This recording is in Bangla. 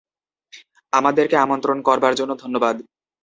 আমাদেরকে আমন্ত্রণ করবার জন্য ধন্যবাদ।